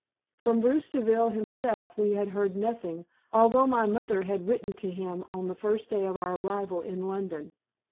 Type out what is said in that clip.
From Bruce Deville himself we had heard nothing, although my mother had written to him on the first day of our arrival in London.